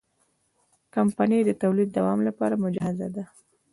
کمپنۍ د تولید دوام لپاره مجهزه ده.